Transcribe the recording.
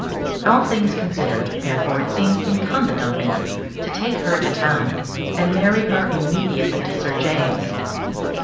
All things considered, therefore, it seems incumbent on me to take her to town and marry her immediately to Sir James.